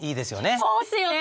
そうですよね！